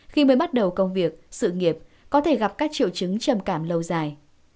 khi mới bắt đầu công việc sự nghiệp có thể gặp các triệu chứng trầm cảm lâu dài